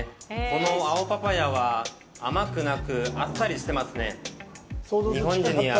この青パパイヤは、甘くなくあっさりしていますね。